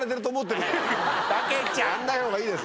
やんない方がいいです。